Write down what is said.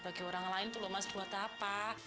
bagi orang lain tuh loh mas buat apa